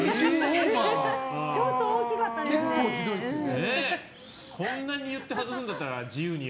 ちょっと大きかったですね。